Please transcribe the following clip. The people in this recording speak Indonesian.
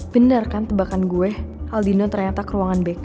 benar kan tebakan gue aldino ternyata ke ruangan bk